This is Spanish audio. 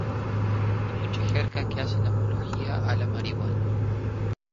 Y mucha jerga que hacen apología a la marihuana.